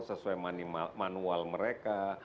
sesuai manual mereka